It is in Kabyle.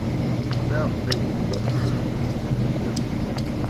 Maɣef ay bdant lemmdent tamaziɣt?